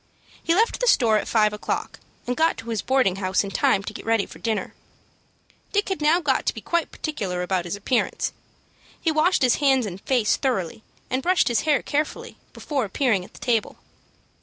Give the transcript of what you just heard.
He left the store at five o'clock, and got to his boarding house in time to get ready for dinner. Dick had now got to be quite particular about his appearance. He washed his face and hands thoroughly, and brushed his hair carefully, before appearing at the table.